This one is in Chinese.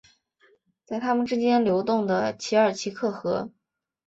在他们之间流动的奇尔奇克河。